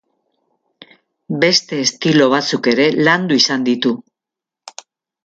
Beste estilo batzuk ere landu izan ditu.